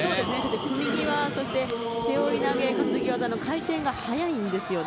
組み際そして背負い投げ担ぎ技の回転が速いんですよね。